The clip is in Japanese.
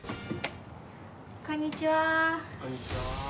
こんにちは！